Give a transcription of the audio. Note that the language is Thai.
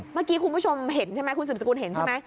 เมื่อกี้คุณผู้ชมเห็นใช่ไหมคุณสืบสกุลเห็นใช่ไหม